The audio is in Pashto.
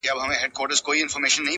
يوار ئې زده که، بيا ئې در کوزده که.